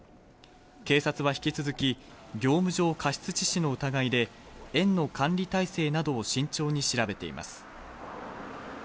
警察は引き続き、業務上過失致死の疑いで園の管理体制などを慎重に調べています。